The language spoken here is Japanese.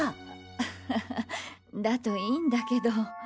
アハハだといいんだけど。